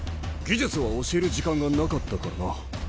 技術は教える時間がなかったからな。